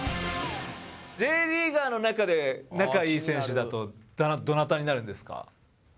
Ｊリーガーの中で仲いい選手だとどなたになるんですか？